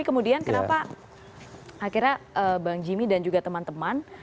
kemudian kenapa akhirnya bang jimmy dan juga teman teman